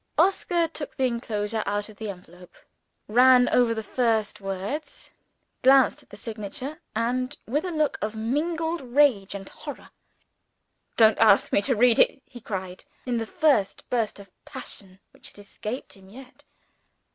Oscar took the enclosure out of the envelope ran over the first words glanced at the signature and, with a look of mingled rage and horror, threw the letter on the floor. "Don't ask me to read it!" he cried, in the first burst of passion which had escaped him yet.